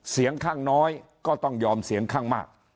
เสียงข้างน้อยก็ต้องยอมเสียงข้างมาก